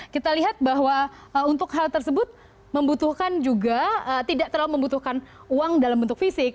kita lihat bahwa untuk hal tersebut membutuhkan juga tidak terlalu membutuhkan uang dalam bentuk fisik